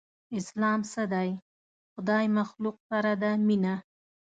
اسلام څه دی؟ خدای مخلوق سره ده مينه